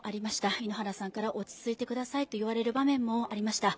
井ノ原さんから落ち着いてくださいと言われる場面もありました。